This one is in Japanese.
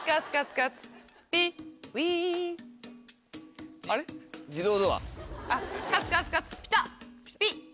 カツカツカツピタッピッ。